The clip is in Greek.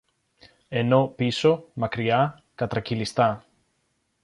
ενώ πίσω, μακριά, κατρακυλιστά